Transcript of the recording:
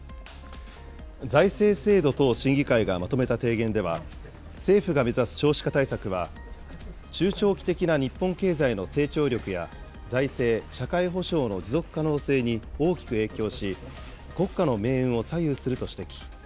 財政制度等審議会がまとめた提言では、政府が目指す少子化対策は、中長期的な日本経済の成長力や財政・社会保障の持続可能性に大きく影響し、国家の命運を左右すると指摘。